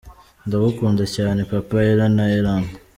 Ndagukunda cyane Papa Ella na Elan.